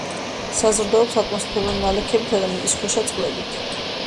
საზრდოობს ატმოსფერული ნალექებით და მიწისქვეშა წყლით.